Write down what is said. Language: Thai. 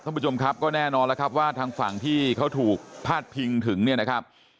ท่านผู้ชมครับก็แน่นอนแล้วครับว่าทางฝั่งที่เขาถูกพาดพิงถึงเนี่ยนะครับ